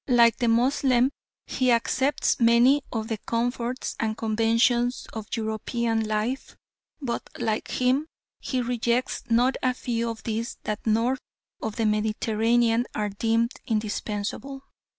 Like the Moslem, he accepts many of the comforts and conventions of European life, but like him he rejects not a few of these that north of the Mediterranean are deemed indispensable.